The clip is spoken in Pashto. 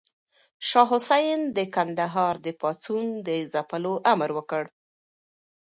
شاه حسين د کندهار د پاڅون د ځپلو امر وکړ.